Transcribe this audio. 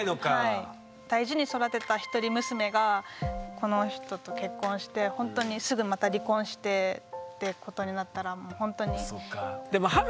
大事に育てた一人娘がこの人と結婚してほんとにすぐまた離婚してってことになったらほんとに。